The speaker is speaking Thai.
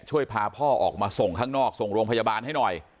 พาพ่อออกมาส่งข้างนอกส่งโรงพยาบาลให้หน่อย